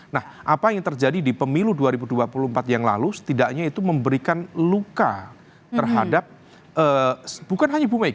nah apa yang terjadi di pemilu dua ribu dua puluh empat yang lalu setidaknya itu memberikan luka terhadap bukan hanya ibu megawa